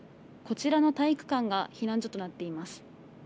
こちらの体育館が避難所となっています。